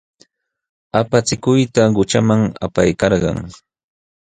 Apachikuyta qućhaman apaykalkan.